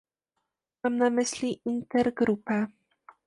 Mam na myśli intergrupę